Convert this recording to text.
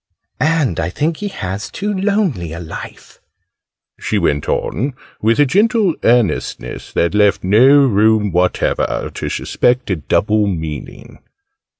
" and I think he has too lonely a life," she went on, with a gentle earnestness that left no room whatever to suspect a double meaning.